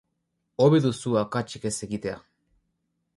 Hobe duzu akatsik ez egitea.